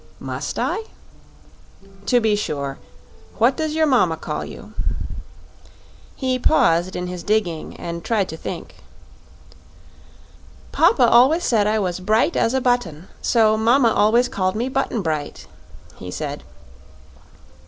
"Must I?" "To be sure. What does your mama call you?" He paused in his digging and tried to think. "Papa always said I was bright as a button; so mama always called me Button Bright," he said.